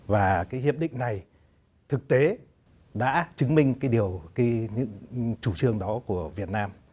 và cái hiệp định này thực tế đã chứng minh cái điều chủ trương đó của việt nam